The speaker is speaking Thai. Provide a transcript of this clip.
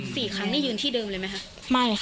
สี่ครั้งนี่ยืนที่เดิมเลยไหมคะ